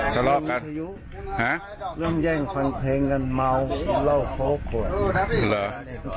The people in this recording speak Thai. ทะเลาะกันเริ่มแย่งฟังเพลงกันเมาเหล้าโค้กขวดเหรอ